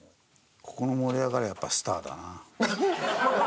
ここの盛り上がりはやっぱスターだな。